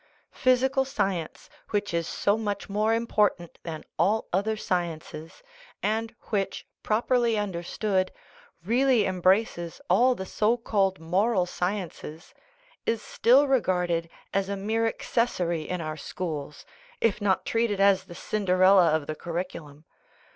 Physical science, which is so much more important than all other sciences, and which, properly understood, really embraces all the so called moral sciences, is still regarded as a mere accessory in our schools, if not treated as the Cinderella of the curricu lum.